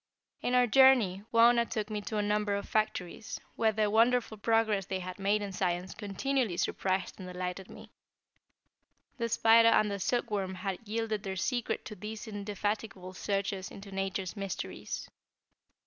In our journey, Wauna took me to a number of factories, where the wonderful progress they had made in science continually surprised and delighted me. The spider and the silkworm had yielded their secret to these indefatigable searchers into nature's mysteries.